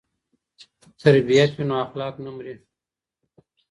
که تربیت وي نو اخلاق نه مري.